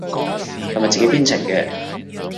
係咪自己編程嘅？